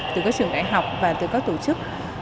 từ các trường đại học và từ các tổ chức